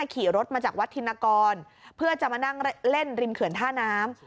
ขี่รถมาจากวัดธินกรเพื่อจะมานั่งเล่นริมเขื่อนท่าน้ำ